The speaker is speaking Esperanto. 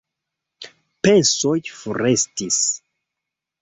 Pensoj forestis.